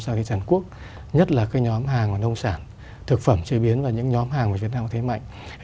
sau khi tràn quốc nhất là cái nhóm hàng nông sản thực phẩm chế biến và những nhóm hàng của việt nam thấy mạnh